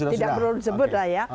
tidak perlu disebut lah ya